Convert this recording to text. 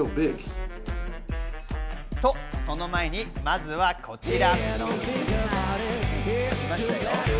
その前に、まずはこちら。